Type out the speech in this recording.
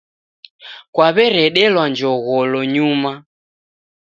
Kwaw'eredelwa njogholo nyuma.